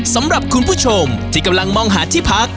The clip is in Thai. สำหรับคุณผู้ชมที่กำลังมองหาที่พัก